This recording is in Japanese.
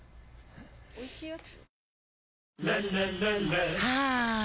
おいしいやつ？